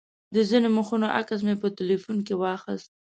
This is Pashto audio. د ځینو مخونو عکس مې په تیلفون کې واخیست.